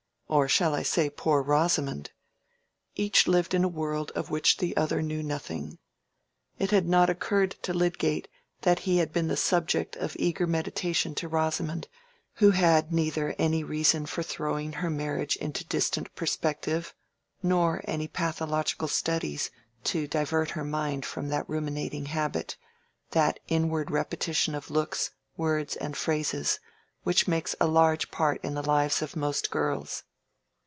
or shall I say, Poor Rosamond! Each lived in a world of which the other knew nothing. It had not occurred to Lydgate that he had been a subject of eager meditation to Rosamond, who had neither any reason for throwing her marriage into distant perspective, nor any pathological studies to divert her mind from that ruminating habit, that inward repetition of looks, words, and phrases, which makes a large part in the lives of most girls.